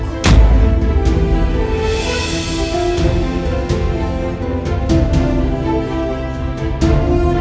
pernah jadi ke nenek